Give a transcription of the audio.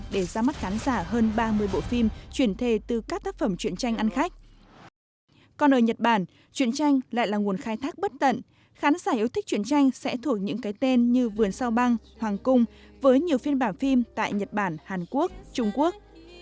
trong thời gian thác bất tận khán giả yêu thích truyện tranh sẽ thuộc những cái tên như vườn sao bang hoàng cung với nhiều phiên bản phim tại nhật bản hàn quốc trung quốc